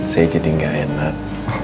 saya jadi gak enak